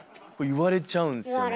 言われちゃうの？